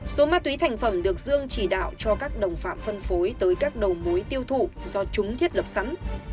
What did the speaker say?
số ma túy thành phẩm được dương chỉ đạo cho các đồng phạm phân phối tới các đầu mối tiêu thụ do chúng thiết lập sẵn